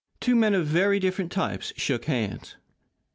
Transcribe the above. Two men of very different types shook hands.